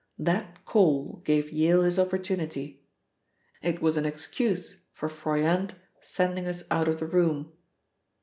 That call gave Yale his opportunity. It was an excuse for Froyant sending us out of the room.